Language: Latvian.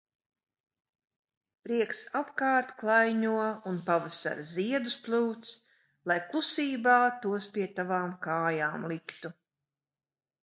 Prieks apkārt klaiņo un pavasara ziedus plūc, lai klusībā tos pie tavām kājām liktu.